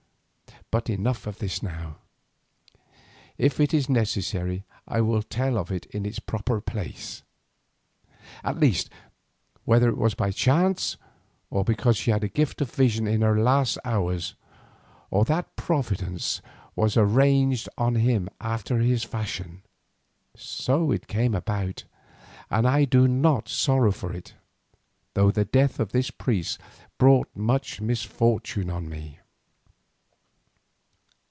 But enough of this now; if it is necessary I will tell of it in its proper place. At least, whether it was by chance, or because she had a gift of vision in her last hours, or that Providence was avenged on him after this fashion, so it came about, and I do not sorrow for it, though the death of this priest brought much misfortune on me.